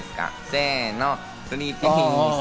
せの、スリーピース！